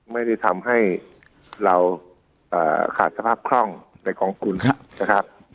ไม่ได้ทำให้เราอ่าขาดสภาพคล่องในกองคลุมครับนะครับ